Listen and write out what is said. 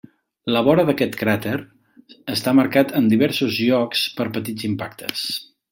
La vora d'aquest cràter està marcat en diversos llocs per petits impactes.